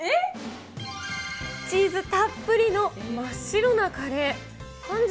チーズたっぷりの真っ白なカレー。